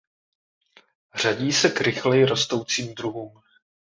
Řadí se k rychleji rostoucím druhům.